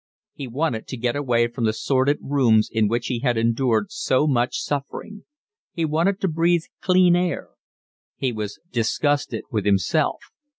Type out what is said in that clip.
He wanted to get away from the sordid rooms in which he had endured so much suffering. He wanted to breathe clean air. He was disgusted with himself.